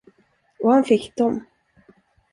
Och han fick dem.